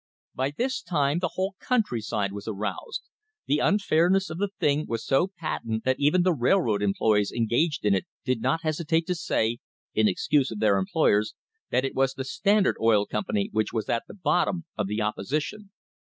By this time the whole countryside was aroused. The un fairness of the thing was so patent that even the railroad employees engaged in it did not hestitate to say, in excuse of their employers, that it was the Standard Oil Company which was at the bottom of the opposition!